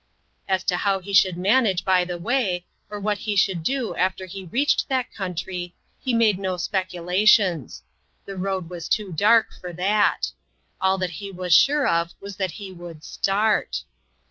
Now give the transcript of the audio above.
As to how he should manage by the way, or what he should do after he reached that country, he made no speculations; the road was too dark for that. All that he was sure of was that he would start.